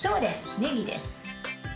ねぎです。